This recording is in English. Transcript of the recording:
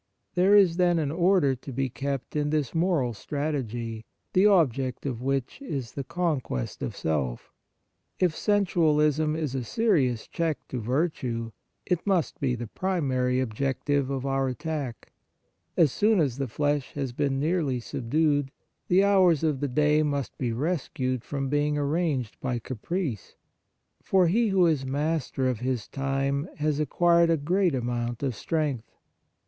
There is then an order to be kept in this moral strategy, the object of which is the conquest of self. If sensualism is a serious check to virtue, it must be the primary objec tive of our attack. As soon as the flesh has been nearly subdued, the hours of the day must be rescued from being arranged by caprice ; for he who is master of his time has acquired a great amount of strength.